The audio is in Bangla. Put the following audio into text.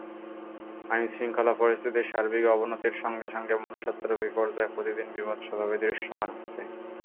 আইনশৃঙ্খলা পরিস্থিতির সার্বিক অবনতির সঙ্গে সঙ্গে মনুষ্যত্বেরও বিপর্যয় প্রতিদিন বীভৎসভাবে দৃশ্যমান হচ্ছে।